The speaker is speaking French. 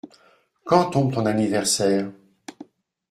Quand tombe ton anniversaire ?